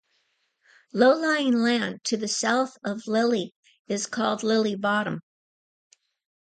The low-lying land to the south of Lilley is called Lilley Bottom.